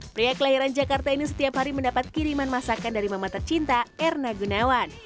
pria kelahiran jakarta ini setiap hari mendapat kiriman masakan dari mama tercinta erna gunawan